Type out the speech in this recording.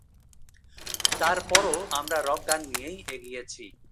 তার পরও আমরা রক গান নিয়েই এগিয়েছি।